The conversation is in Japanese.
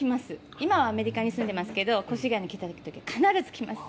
今はアメリカに住んでいますが越谷に来たときは必ず来ます。